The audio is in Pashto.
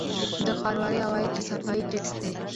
د ښاروالۍ عواید له صفايي ټکس دي